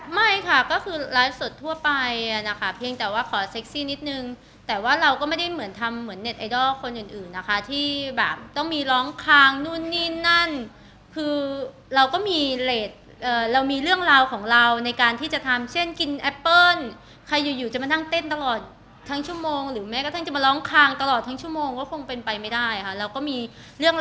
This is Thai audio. ไม่ค่ะก็คือไลฟ์สดทั่วไปอ่ะนะคะเพียงแต่ว่าขอเซ็กซี่นิดนึงแต่ว่าเราก็ไม่ได้เหมือนทำเหมือนเน็ตไอดอลคนอื่นนะคะที่แบบต้องมีร้องคางนู่นนี่นั่นคือเราก็มีเลสเรามีเรื่องราวของเราในการที่จะทำเช่นกินแอปเปิ้ลใครอยู่อยู่จะมานั่งเต้นตลอดทั้งชั่วโมงหรือแม้กระทั่งจะมาร้องคางตลอดทั้งชั่วโมงก็คงเป็นไปไม่ได้ค่ะเราก็มีเรื่อง